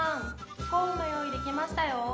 スコーンの用意できましたよ。